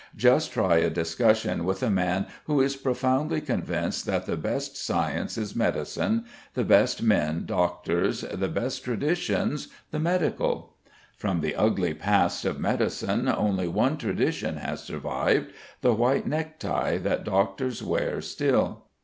Just try a discussion with a man who is profoundly convinced that the best science is medicine, the best men doctors, the best traditions the medical! From the ugly past of medicine only one tradition has survived, the white necktie that doctors wear still.